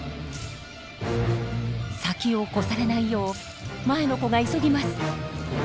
先を越されないよう前の子が急ぎます。